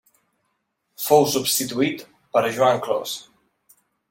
Fou substituït per Joan Clos.